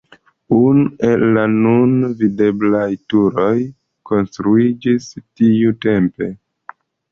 Unu el la nun videblaj turoj konstruiĝis tiutempe.